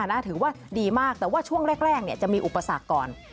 ถือว่าดีมากแต่ว่าช่วงแรกจะมีอุปสรรคก่อน